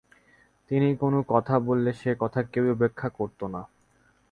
তিনি কোন কথা বললে সে কথা কেউ উপেক্ষা করতো না।